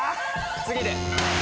次で。